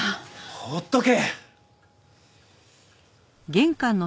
ほっとけ！